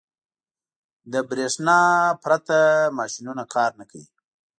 • د برېښنا پرته ماشينونه کار نه کوي.